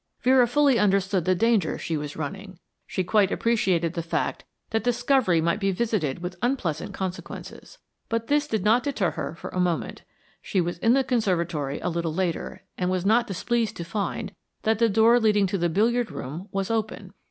Vera fully understood the danger she was running, she quite appreciated the fact that discovery might be visited with unpleasant consequences. But this did not deter her for a moment. She was in the conservatory a little later, and was not displeased to find that the door leading to the billiard room was open.